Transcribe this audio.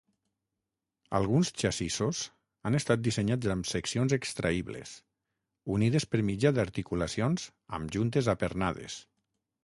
Alguns xassissos han estat dissenyats amb seccions extraïbles, unides per mitjà d"articulacions amb juntes apernades.